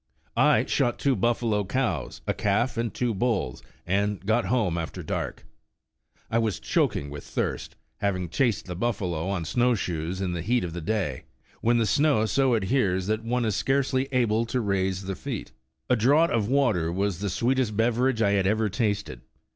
I shot two buffalo cows, a calf, and two bulls, and got home after dark. I was choking with thirst, having chased the buffalo on snow shoes in the heat of the day, when the snow so adheres that one is scarcely able to raise the feet. A draught of water was the sweetest beverage I had ever tasted.